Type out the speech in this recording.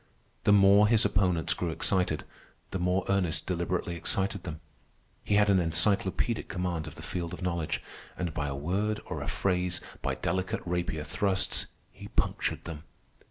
The more his opponents grew excited, the more Ernest deliberately excited them. He had an encyclopaedic command of the field of knowledge, and by a word or a phrase, by delicate rapier thrusts, he punctured them.